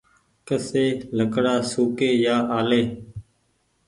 ڪسي لڪڙآ سوڪي يا آلي